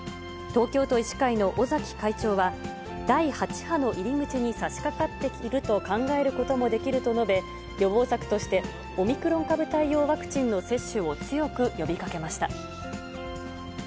東京都医師会の尾崎会長は、第８波の入り口にさしかかっていると考えることもできると述べ、予防策として、オミクロン株対応ワクチンの接種を強く呼びかけました。